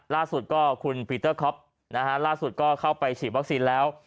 ล่าสุดก็คุณปีเตอร์คอปนะฮะล่าสุดก็เข้าไปฉีดวัคซีนแล้ว